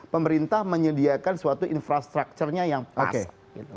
pemerintah menyediakan suatu infrastrukturnya yang pas